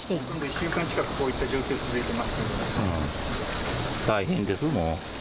１週間近くこういった状況続いてますけれども。